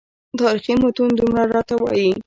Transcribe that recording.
تاریخي متون دومره راته وایي.